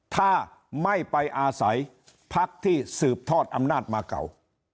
ถ้าไม่ไปอาศัยพักที่สืบทอดอำนาจมาเก่า